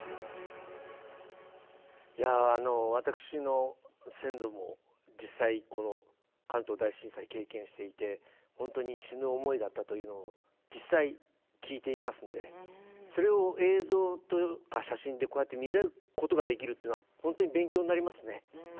いや私の先祖も実際この関東大震災経験していて本当に死ぬ思いだったというのを実際聞いていますのでそれを映像とか写真でこうやって見ることができるっていうのは本当に勉強になりますね。